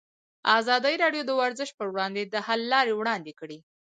ازادي راډیو د ورزش پر وړاندې د حل لارې وړاندې کړي.